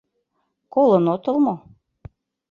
— Колын отыл мо?